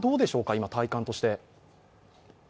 今、体感として。